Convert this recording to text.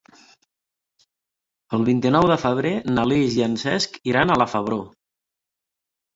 El vint-i-nou de febrer na Lis i en Cesc iran a la Febró.